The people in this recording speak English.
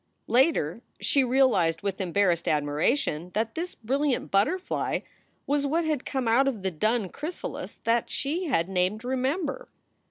Later she realized with embarrassed admiration that this brilliant butterfly was what had come out of the dun chrysalis that she had named Remember.